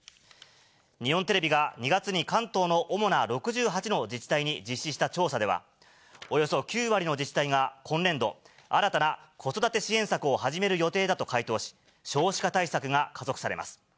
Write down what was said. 日本テレビが、２月に関東の主な６８の自治体に実施した調査では、およそ９割の自治体が、今年度、新たな子育て支援策を始める予定だと回答し、少子化対策が加速されます。